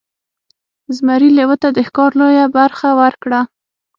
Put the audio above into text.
زمري لیوه ته د ښکار لویه برخه ورکړه.